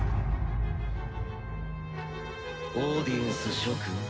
オーディエンス諸君。